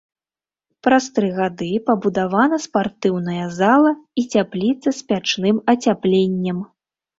Праз тры гады пабудавана спартыўная зала і цяпліца з пячным ацяпленнем.